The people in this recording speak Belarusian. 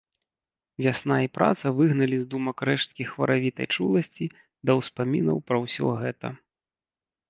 Вясна і праца выгналі з думак рэшткі хваравітай чуласці да ўспамінаў пра ўсё гэта.